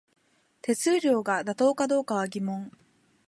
手数料が妥当かどうかは疑問